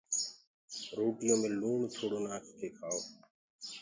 روٽيو مي لوڻ ٿوڙو نآکڪي کآئو